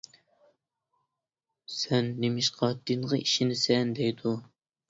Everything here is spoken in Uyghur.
سەن نېمىشقا دىنغا ئىشىنىسەن دەيدۇ.